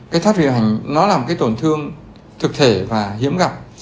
cái thoát vị hành nó là một cái tổn thương thực thể và hiếm gặp